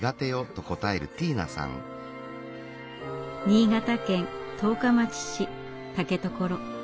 新潟県十日町市竹所。